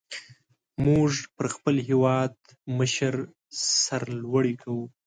موږ پر خپل هېوادمشر سر لوړي کو.